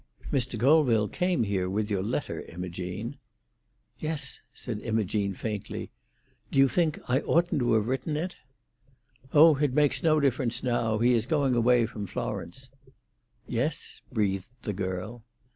"Mr. Colville came here with your letter, Imogene." "Yes," said Imogene faintly. "Do you think I oughtn't to have written it?" "Oh, it makes no difference now. He is going away from Florence." "Yes?" breathed the girl.